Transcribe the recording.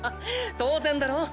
当然だろ。